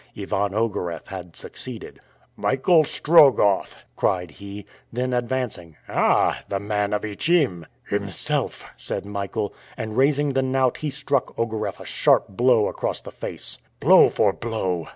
Ivan Ogareff had succeeded. "Michael Strogoff!" cried he. Then advancing, "Ah, the man of Ichim?" "Himself!" said Michael. And raising the knout he struck Ogareff a sharp blow across the face. "Blow for blow!"